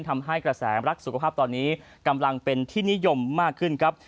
ทำให้กระแสรักสุขภาพตอนนี้กำลังเป็นที่นิยมมากขึ้นครับ